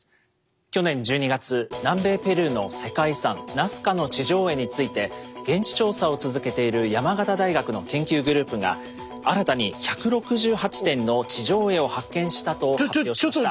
去年１２月南米ペルーの世界遺産ナスカの地上絵について現地調査を続けている山形大学の研究グループが新たに１６８点の地上絵を発見したと発表しました。